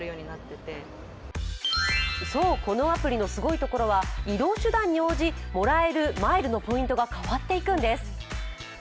そう、このアプリのすごいところは、移動手段に応じもらえるマイルのポイントが変わっていくんです。